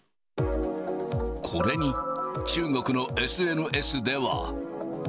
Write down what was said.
これに中国のＳＮＳでは。